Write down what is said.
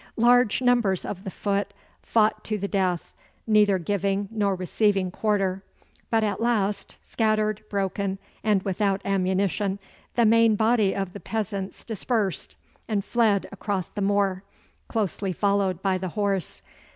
Large numbers of the foot fought to the death, neither giving nor receiving quarter; but at last, scattered, broken, and without ammunition, the main body of the peasants dispersed and fled across the moor, closely followed by the horse.